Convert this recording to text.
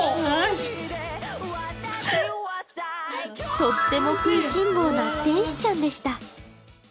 とっても食いしん坊な天使ちゃんでした。